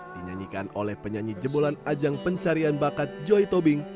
dinyanyikan oleh penyanyi jemulan ajang pencarian bakat joy tobing